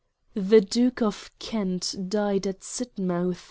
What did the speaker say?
f The Duke of Kent died at Sidmouth.